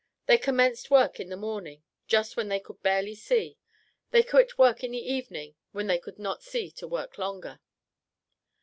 They commenced work in the morning, just when they could barely see; they quit work in the evening when they could not see to work longer.